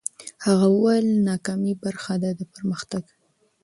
هغه وویل، ناکامي برخه ده د پرمختګ.